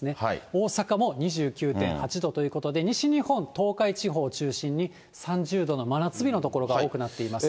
大阪も２９．８度ということで、西日本、東海地方中心に、３０度の真夏日の所が多くなっています。